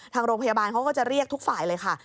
ทางโรงพยาบาลเขาก็จะเรียกทุกฝ่ายเลยค่ะ